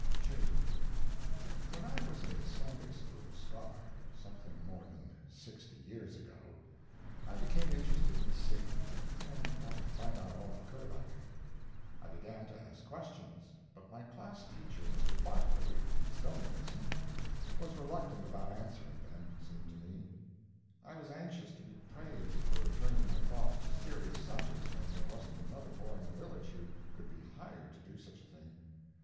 II When I was a Sunday school scholar, something more than sixty years ago, I became interested in Satan, and wanted to find out all I could about him. I began to ask questions, but my class teacher, Mr. Barclay, the stone mason, was reluctant about answering them, it seemed to me. I was anxious to be praised for turning my thoughts to serious subjects when there wasn't another boy in the village who could be hired to do such a thing.